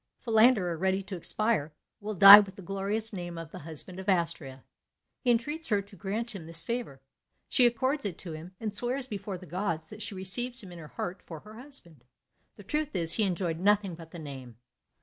Philander, ready to expire, will die with the glorious name of the husband of Astrea. He entreats her to grant him this favour; she accords it to him, and swears before the gods that she receives him in her heart for her husband. The truth is, he enjoyed nothing but the name.